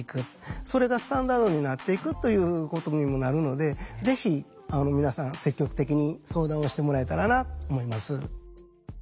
それがスタンダードになっていくということにもなるのでぜひ皆さん積極的に相談をしてもらえたらなと思います。